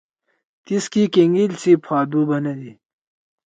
تیسکے کینگیل سی پھادُو بندی۔